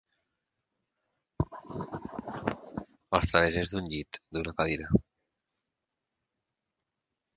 Els travessers d'un llit, d'una cadira.